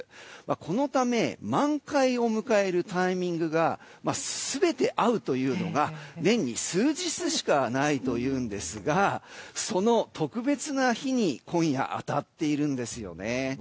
このため満開を迎えるタイミングが全て合うということが年に数日しかないんですがその特別な日に今夜当たっているんですよね。